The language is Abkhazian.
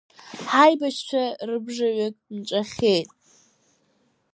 Ҳаибашьцәа рыбжаҩык нҵәахьеит.